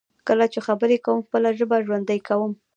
کله چې خبرې کوم، خپله ژبه ژوندی کوم.